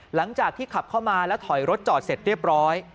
หลังจากที่ขับเข้ามาแล้วถอยรถจอดเสร็จเรียบร้อย